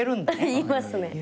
言いますね。